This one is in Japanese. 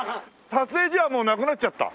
撮影所はもうなくなっちゃった？